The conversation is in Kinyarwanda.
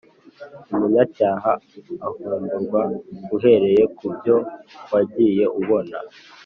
umunyacyaha avumburwa uhereye ku byo wagiye ubona,